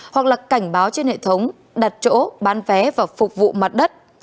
hoặc là cảnh báo trên hệ thống đặt chỗ bán vé và phục vụ mặt đất